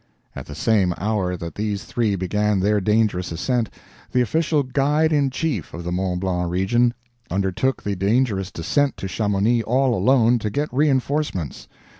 At the same hour that these three began their dangerous ascent, the official Guide in Chief of the Mont Blanc region undertook the dangerous descent to Chamonix, all alone, to get reinforcements.